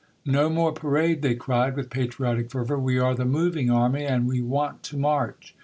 " No more parade !" they cried with patriotic fervor ;" we are the moving army, and we want to march